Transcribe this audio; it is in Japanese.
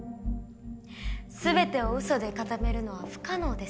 全てをウソで固めるのは不可能です。